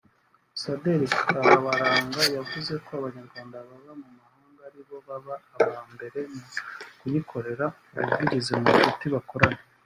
Amabasaderi Karabaranga yavuze ko Abanyarwanda baba mu mahanga ari baba aba mbere my kuyikorera ubuvugizi mu nshuti bakorana